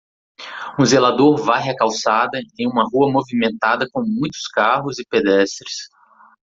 Um zelador varre a calçada em uma rua movimentada com muitos carros e pedestres.